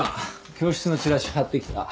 教室のチラシ張ってきた。